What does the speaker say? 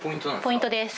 ポイントです。